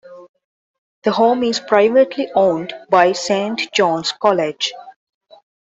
The home is privately owned by Saint John's College.